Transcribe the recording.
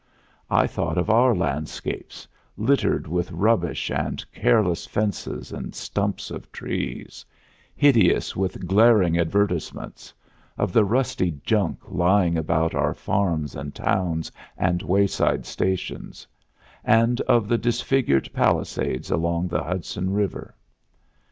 I thought of our landscape, littered with rubbish and careless fences and stumps of trees, hideous with glaring advertisements; of the rusty junk lying about our farms and towns and wayside stations; and of the disfigured Palisades along the Hudson River.